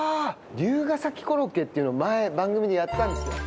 龍ケ崎コロッケっていうの前番組でやったんですよ！